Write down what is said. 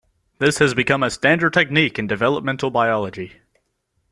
This has become a standard technique in developmental biology.